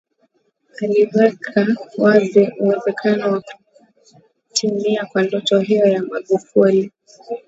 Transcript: Aliweka wazi uwezekano wa kutimia kwa ndoto hiyo ya Magufuli